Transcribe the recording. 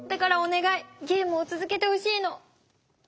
ゲームをつづけてほしいの。